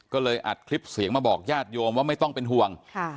ก็เลยอัดคลิปเสียงมาบอกญาติโยมว่าไม่ต้องเป็นห่วง